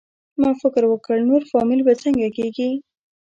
ما فکر وکړ نور فامیل به څنګه کېږي؟